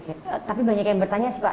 oke tapi banyak yang bertanya sih pak